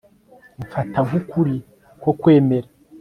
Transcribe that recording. Mfata nkukuri ko wemera